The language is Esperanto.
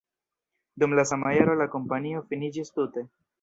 Dum la sama jaro la kompanio finiĝis tute.